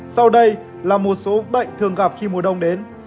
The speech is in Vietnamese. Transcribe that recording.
sau đây là một số bệnh thường gặp khi mùa đông đến